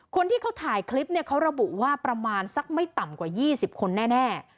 คนที่เขาถ่ายคลิปเนี่ยเขาระบุว่าประมาณสักไม่ต่ำกว่า๒๐คนแน่